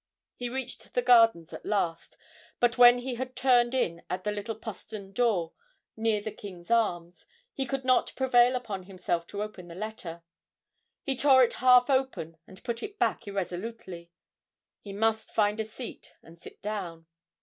He reached the Gardens at last, but when he had turned in at the little postern door near the 'King's Arms,' he could not prevail upon himself to open the letter he tore it half open and put it back irresolutely; he must find a seat and sit down.